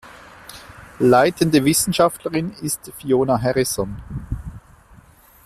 Leitende Wissenschaftlerin ist Fiona Harrison.